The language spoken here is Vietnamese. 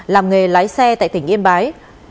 làm nghề lái xe tại tỉnh yên bái